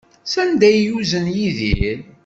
Sanda ay yuzen Yidir?